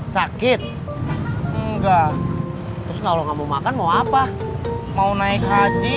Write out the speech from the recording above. sakit enggak terus kalau kamu makan mau apa mau naik haji